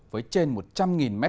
với trên một trăm linh m hai